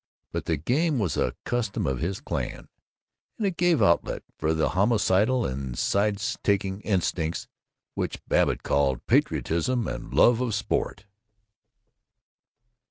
But the game was a custom of his clan, and it gave outlet for the homicidal and sides taking instincts which Babbitt called "patriotism" and "love of sport."